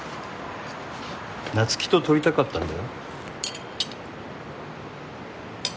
菜月と撮りたかったんだよ。